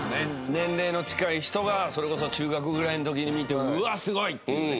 年齢の近い人がそれこそ中学ぐらいの時に見て「うわっすごい！」っていうね。